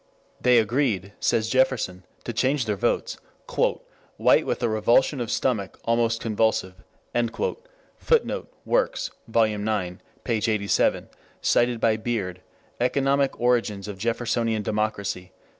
They agreed, says Jefferson, to change their votes, "White with a revulsion of stomach almost convulsive." [Footnote: Works, Vol. IX, p. 87. Cited by Beard, Economic Origins of Jeffersonian Democracy, p.